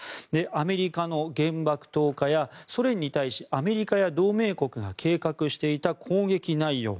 アメリカの原爆投下やソ連に対しアメリカや同盟国が計画していた攻撃内容